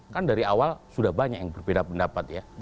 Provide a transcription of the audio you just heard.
kan dari awal sudah banyak yang berbeda pendapat ya